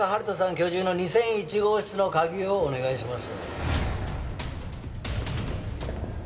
居住の２００１号室の鍵をお願いします